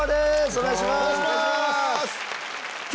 お願いします。